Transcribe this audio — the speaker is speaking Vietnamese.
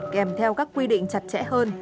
kèm theo các quy định chặt chẽ hơn